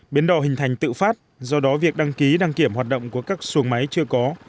biến đò hình thành tự phát do đó việc đăng ký đăng kiểm hoạt động của các xuồng máy chưa có